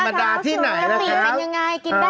หนังมดาที่ไหนนะครับ